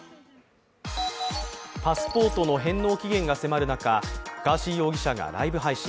パスポートの返納期限が迫る中、ガーシー容疑者がライブ配信。